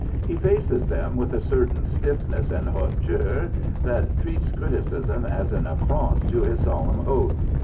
He faces them with a certain stiffness and hauteur that treats criticism as an affront to his solemn oath.